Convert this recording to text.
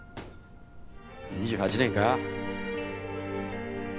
２８年か？